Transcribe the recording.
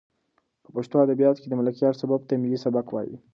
په پښتو ادبیاتو کې د ملکیار سبک ته ملي سبک وایي.